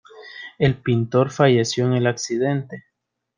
El pintor falleció en el accidente.